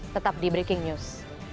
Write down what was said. tetap di breaking news